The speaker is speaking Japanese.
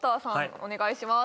お願いします